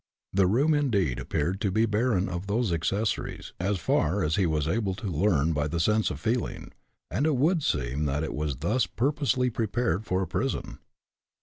The room indeed appeared to be barren of those accessories, as far as he was able to learn by the sense of feeling, and it would seem that it was thus purposely prepared for a prison.